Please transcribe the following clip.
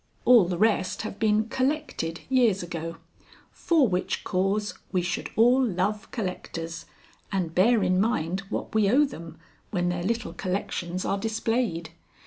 All the rest have been "collected" years ago. For which cause we should all love Collectors, and bear in mind what we owe them when their little collections are displayed.